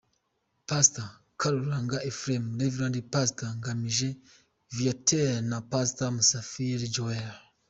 Pastor Karuranga Ephrem ,Rev Pastor Ngamije Viateur na Past Musafili Joel.